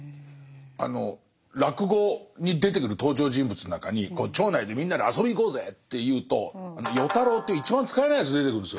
あの落語に出てくる登場人物の中に町内でみんなで遊びに行こうぜっていうと与太郎っていう一番使えないやつ出てくるんですよ。